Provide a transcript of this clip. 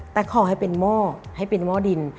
แต่ขอให้เป็นหม้อให้เป็นหม้อดิน